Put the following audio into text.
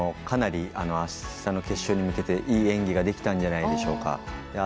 かなりあしたの決勝に向けていい演技ができたんじゃないでしょうか。